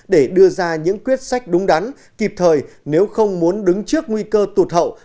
để đưa ra những quyết sách đúng đắn kịp thời nếu không muốn đứng trước nguy cơ tụt hậu